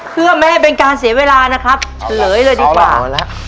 เพื่อไม่ให้เป็นการเสียเวลานะครับเหลือเลยดีกว่า